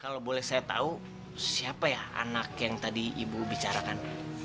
kalau boleh saya tahu siapa ya anak yang tadi ibu bicarakan